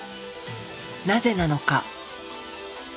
なぜなのか？